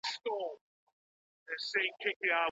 د خطاګانو کفاره څه ډول ادا کيږي؟